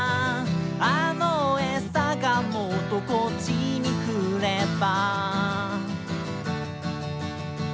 「あの餌がもっとこっちに来れば」